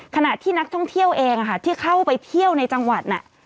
ขณะที่นักท่องเที่ยวเองที่เข้าไปเที่ยวในจังหวัดน่ะ